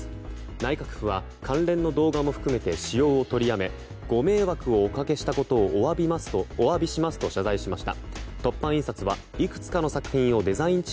内閣府は関連動画も含めて使用と取りやめご迷惑をおかけしたことをお詫びしますと謝罪しました。